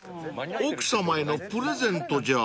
奥さまへのプレゼントじゃ］